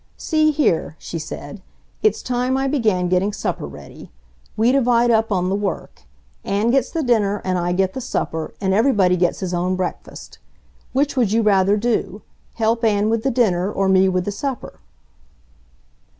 "See here," she said; "it's time I began getting supper ready. We divide up on the work. Ann gets the dinner and I get the supper. And everybody gets his own breakfast. Which would you rather do, help Ann with the dinner, or me with the supper?"